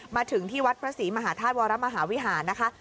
มาถึงที่วัดพระศรีมหาธาตุวรมหาวิหารนะคะ